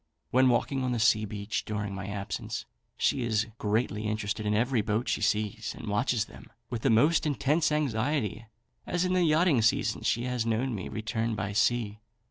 When walking on the sea beach during my absence, she is greatly interested in every boat she sees, and watches them with the most intense anxiety, as in the yachting season she has known me return by sea.